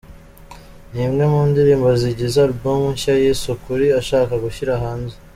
Ni imwe mu ndirimbo zigize album nshya yise ‘Ukuri’ ashaka gushyira hanze.